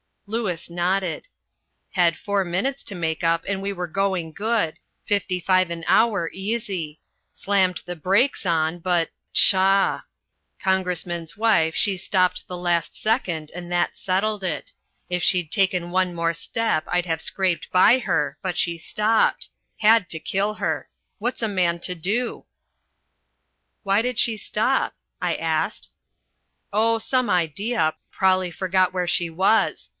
Lewis nodded. "Had four minutes to make up, and we were going good fifty five an hour easy. Slammed the brakes on, but pshaw! Congressman's wife she stopped the last second, and that settled it. If she'd taken one more step I'd have scraped by her, but she stopped. Had to kill her. What's a man to do?" "Why did she stop?" I asked. "Oh, some idea. Prob'ly forgot where she was.